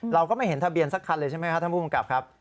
เราก็ไม่เห็นทะเบียนสักคันเลยใช่ไหมครับท่านผู้กำกับครับ